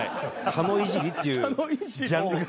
「狩野イジり」っていうジャンルが。